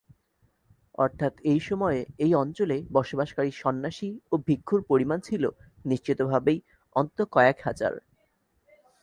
অর্থাৎ এই সময়ে এই অঞ্চলে বসবাসকারী সন্ন্যাসী ও ভিক্ষুর পরিমাণ ছিল নিশ্চিতভাবেই অন্তত কয়েক হাজার।